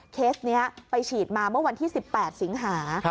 เคสนี้ไปฉีดมาเมื่อวันที่๑๘สิงหา